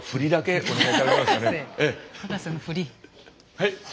はい。